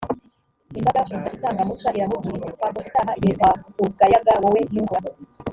imbaga iza isanga musa, iramubwira iti twakoze icyaha igihe twakugayaga wowe n’uhoraho.